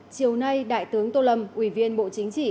chiều nay đại tướng tô lâm ủy viên bộ chính trị